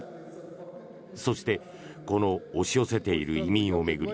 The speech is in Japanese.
そして、この押し寄せている移民を巡り